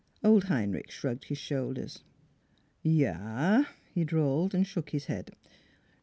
Old Heinrich shrugged his shoulders. " Ya" he drawled, and shook his head.